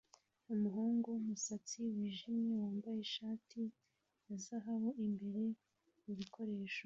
Umuhungu wumusatsi wijimye wambaye ishati ya zahabu imbere mubikoresho